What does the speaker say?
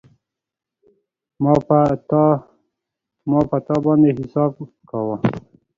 ما په تا باندی حساب کاوه